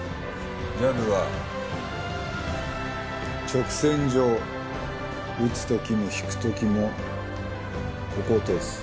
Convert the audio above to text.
ジャブは直線上打つ時も引く時もここを通す。